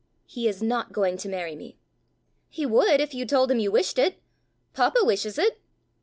"He is not going to marry me." "He would, if you told him you wished it. Papa wishes it."